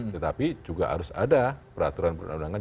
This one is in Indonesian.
tetapi juga harus ada peraturan perundang undangan